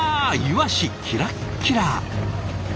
イワシキラッキラ。